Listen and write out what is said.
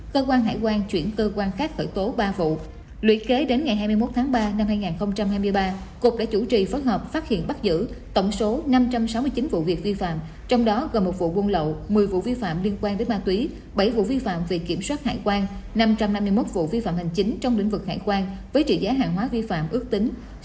cho khách nước ngoài